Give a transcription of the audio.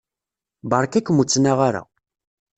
Beṛka-kem ur ttnaɣ ara.